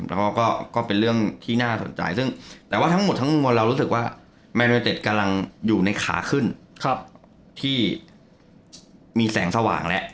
แล้วก็เป็นเรื่องที่น่าสนใจซึ่งแต่ว่าทั้งหมดทั้งมวลเรารู้สึกว่าแมนยูเนเต็ดกำลังอยู่ในขาขึ้นที่มีแสงสว่างแล้ว